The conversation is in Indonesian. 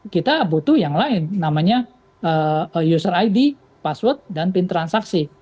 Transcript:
kita butuh yang lain namanya user id password dan pin transaksi